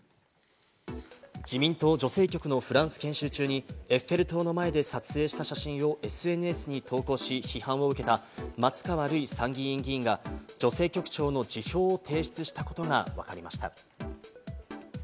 自民党女性局のフランス研修中にエッフェル塔の前で撮影した写真をＳＮＳに投稿し、批判を受けた松川るい参議院議員が女性局長の辞表を提出したことがわかりました。